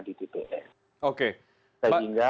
di tps oke sehingga